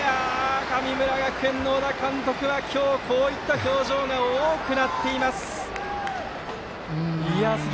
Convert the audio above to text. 神村学園の小田監督は今日、こういった表情が多くなっています。